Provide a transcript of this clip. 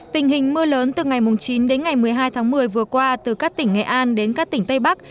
tình hình mưa lớn từ ngày chín đến ngày một mươi hai tháng một mươi vừa qua từ các tỉnh nghệ an đến các tỉnh tây bắc